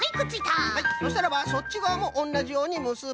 そしたらばそっちがわもおんなじようにむすぶ。